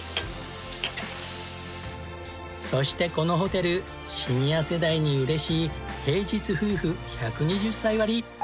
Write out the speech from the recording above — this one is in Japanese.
そしてこのホテルシニア世代に嬉しい平日夫婦１２０歳割。